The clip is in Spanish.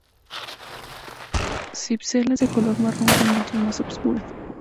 Cipselas de color marrón con manchas más oscuras.